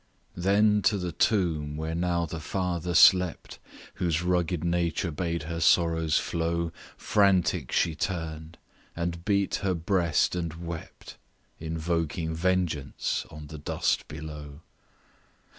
Then to the tomb where now the father slept Whose rugged nature bade her sorrows flow, Frantic she turn'd and beat her breast and wept, Invoking vengeance on the dust below.